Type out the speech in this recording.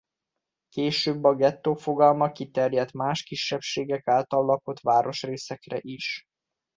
Később a gettó fogalma kiterjedt más kisebbségek által lakott városrészekre is.